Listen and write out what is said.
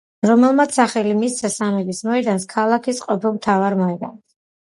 რომელმაც სახელი მისცა სამების მოედანს, ქალაქის ყოფილ მთავარ მოედანს.